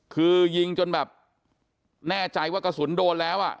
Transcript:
คือยิงจนแบบแน่ใจว่ากระสุนโดนแล้วอ่ะ